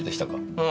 うん。